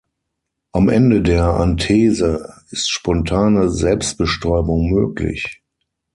Am Ende der Anthese ist spontane Selbstbestäubung möglich.